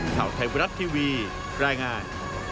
ข่าวไทยบรัฐทีวีรายงาน